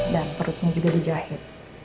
dan perutnya juga dijahit